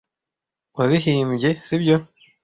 Wabihimbye, sibyo?